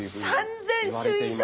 ３，０００種以上！？